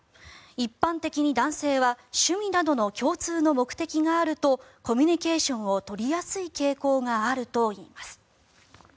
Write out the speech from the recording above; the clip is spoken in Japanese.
一般的に男性は趣味などの共通の目的があるとコミュニケーションを取りやすい傾向があるといいます。